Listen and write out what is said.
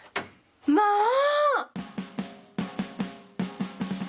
まあ！